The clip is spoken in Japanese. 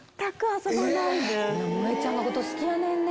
もえちゃんのこと好きやねんね。